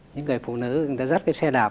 những người phụ nữ người ta dắt cái xe đạp